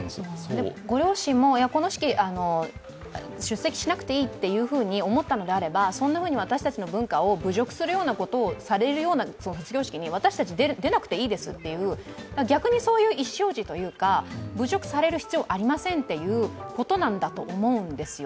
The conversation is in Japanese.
ご両親もこの式、出席しなくていいと思ったのであれば、そんなふうに私たちの文化を侮辱されるような卒業式に私たち出なくていいですって逆にそういう意思表示というか、侮辱される必要ありませんということなんだと思うんですよ。